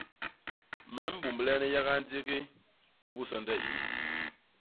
Me mbumblene yaga ndigi mbus sonde ini.